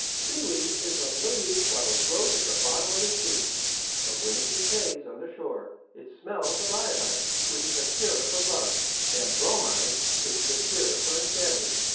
Seaweed is of no use while it grows at the bottom of the sea; but when it decays on the shore it smells of iodine which is a cure for love, and bromide, which is a cure for insanity.